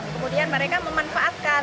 kemudian mereka memanfaatkan